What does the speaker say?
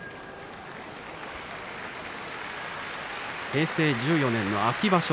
平成１４年の秋場所